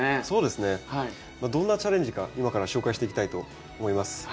どんなチャレンジか今から紹介していきたいと思います。